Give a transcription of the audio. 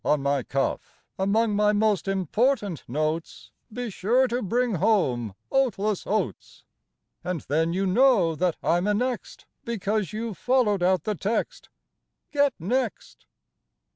on my cuff, Among my most important notes Be sure to bring home Oatless Oats. And then you know that I'm annexed, Because you followed out the text Get Next.